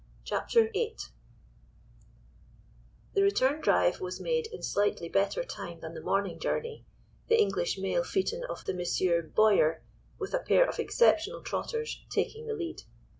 CHAPTER VIII THE return drive was made in slightly better time than the morning journey, the English mail phaeton of the Messieurs Bowyer, with a pair of exceptional trotters, taking the lead.